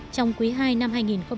trong quý ii năm hai nghìn một mươi bảy